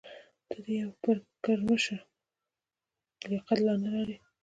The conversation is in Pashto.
ته د یو پړکمشر لیاقت لا نه لرې.